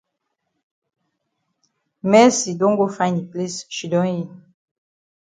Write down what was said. Mercy don go find yi place shidon yi.